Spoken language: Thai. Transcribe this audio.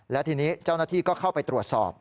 และทีนี้เจ้าหน้าที่ก็เข้าไปตรวจสอบ